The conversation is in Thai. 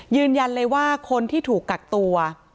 ยืนยันเลยว่าคนที่ถูกกักตัว